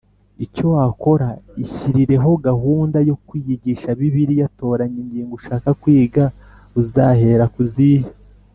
Icyo wakora ishyirireho gahunda yo kwiyigisha bibiliya toranya ingingo ushaka kwiga uzahera ku zihe